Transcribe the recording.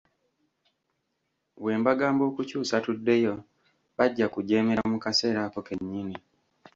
Bwe mbagamba okukyusa tuddeyo, bajja kujeemera mu kaseera ako kennyini.